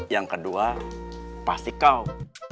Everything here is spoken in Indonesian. yang kedua pasti kau